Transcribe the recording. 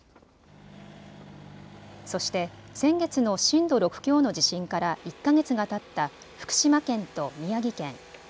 そして先月の震度６強の地震から１か月がたった福島県と宮城県。